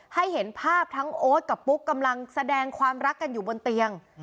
ให้เห็นภาพทั้งโอ๊ตกับปุ๊กกำลังแสดงความรักกันอยู่บนเตียง